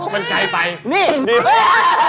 พี่หอยพี่หอยพี่หอยพี่หอยใจ